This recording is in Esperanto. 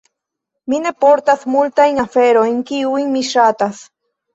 Mi ne portas multajn aferojn, kiujn mi ŝatas.